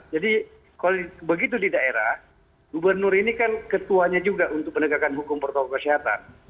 jadi kalau begitu di daerah gubernur ini kan ketuanya juga untuk penegakan hukum protokol kesehatan